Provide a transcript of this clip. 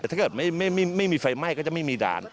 แต่ถ้าเกิดไม่มีไฟไหม้ก็จะไม่มีด่าน